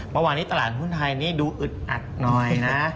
เมื่อวานนี้ตลาดหุ้นไทยนี่ดูอึดอัดหน่อยนะ